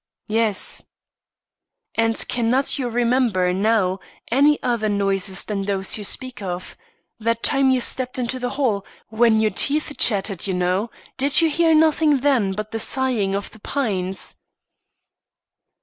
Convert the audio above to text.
"Yes." "And cannot you remember now any other noises than those you speak of? That time you stepped into the hall when your teeth chattered, you know did you hear nothing then but the sighing of the pines?"